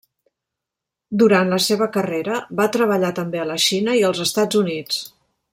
Durant la seva carrera va treballar també a la Xina i als Estats Units.